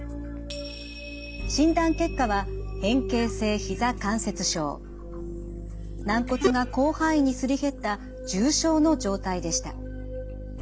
診断結果は軟骨が広範囲にすり減った重症の状態でした。